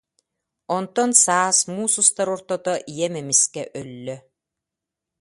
Онтон саас, муус устар ортото, ийэм эмискэ өллө